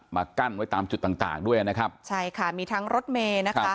กั้นไว้ตามจุดต่างต่างด้วยนะครับใช่ค่ะมีทั้งรถเมย์นะคะ